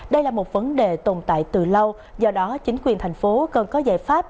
đây là một vấn đề tồn tại từ lâu do đó chính quyền thành phố cần có giải pháp